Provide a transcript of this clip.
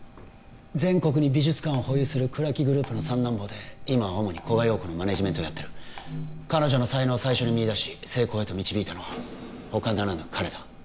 全国に美術館を保有する倉木グループの三男坊で今は主に古賀洋子のマネジメントをやってる彼女の才能を最初に見いだし成功へと導いたのは他ならぬ彼だ